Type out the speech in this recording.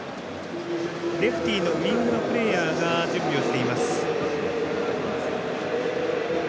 レフティのウイングのプレーヤーが準備をしています。